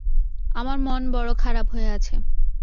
আমার মন বড়ো খারাপ হয়ে আছে।